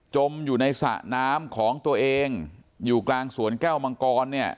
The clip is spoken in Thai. มอยู่ในสระน้ำของตัวเองอยู่กลางสวนแก้วมังกรเนี่ย